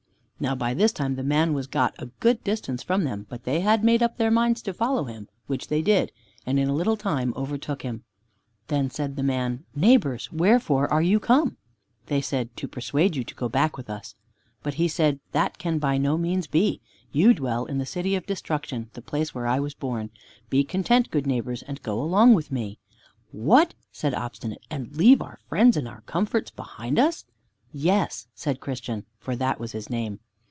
Now by this time the man was got a good distance from them, but they had made up their minds to follow him, which they did, and in a little time overtook him. Then said the man, "Neighbors, wherefore are you come?" They said, "To persuade you to go back with us." But he said, "That can by no means be. You dwell in the City of Destruction, the place where I was born. Be content, good neighbors, and go along with me." "What!" said Obstinate, "and leave our friends and our comforts behind us!" "Yes," said Christian, for that was his name.